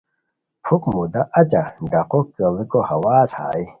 پُھک مودا اچہ ڈقو کیڑیکو ہواز ہائے